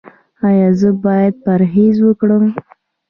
ایا زه باید پرهیز وکړم؟